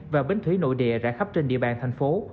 và bến thủy nội địa rã khắp trên địa bàn thành phố